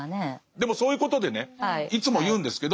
でもそういうことでねいつも言うんですけど。